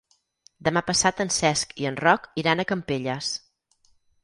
Demà passat en Cesc i en Roc iran a Campelles.